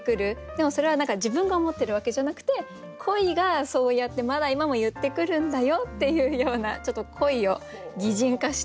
でもそれは自分が思ってるわけじゃなくて恋がそうやってまだ今も言ってくるんだよっていうようなちょっと恋を擬人化してうたってみました。